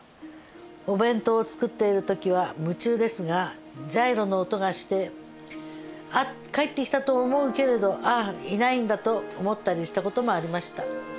お弁当を作っている時は夢中ですがジャイロの音がしてあっ帰ってきたと思うけれどあっ居ないんだと思ったりした事もありました。